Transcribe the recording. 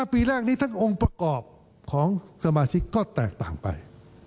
ปีแรกนี้ทั้งองค์ประกอบของสมาชิกก็แตกต่างไป